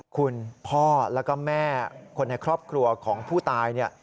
คุณพ่อแล้วก็แม่คนในครอบครัวของผู้ตาย